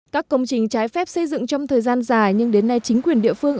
các công trình trái phép xây dựng trong thời gian dài nhưng đến nay chính quyền địa phương